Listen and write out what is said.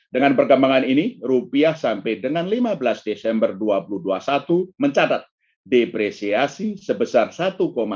dengan perkembangan ini rupiah sampai dengan lima belas desember dua ribu dua puluh satu mencatat depresiasi sebesar satu sembilan puluh tujuh persen year to year